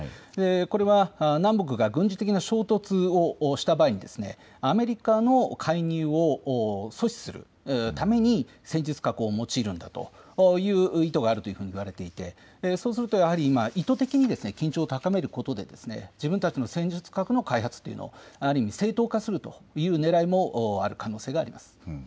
これは南北が軍事的な衝突をした場合にアメリカの介入を阻止するために戦術核を用いるんだという意図があるというふうに見られていてそうするとやはり意図的に緊張を高めることで自分たちの戦術核の開発というのをある意味正当化するというねらいもある可能性があります。